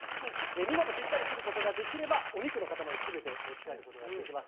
見事ぴったり切ることができればお肉の塊全て持ち帰ることができます。